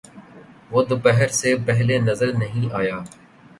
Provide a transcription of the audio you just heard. وہ دوپہر سے پہلے نظر نہیں آیا۔